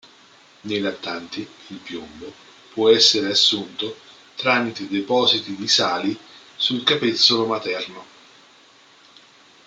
Nei lattanti, il piombo può essere assunto tramite depositi di sali sul capezzolo materno.